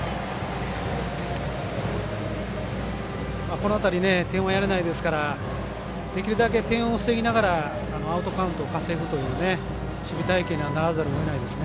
この辺り点はやれないですからできるだけ点を防ぎながらアウトカウントを稼ぐという守備隊形にならざるをえないですね。